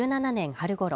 春ごろ